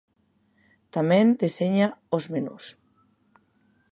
Tamén deseña os menús.